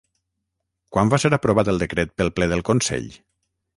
Quan va ser aprovat el decret pel ple del Consell?